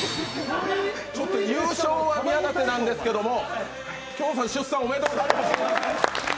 優勝は宮舘なんですけれども、きょんさん、出産おめでとうございます。